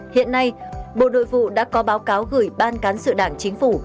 hiện nay bộ nội vụ đã có báo cáo gửi ban cán sự đảng chính phủ